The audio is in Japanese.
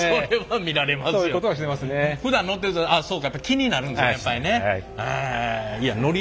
ああそうかって気になるんですねやっぱりね。